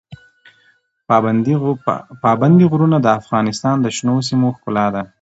پابندی غرونه د افغانستان د شنو سیمو ښکلا ده.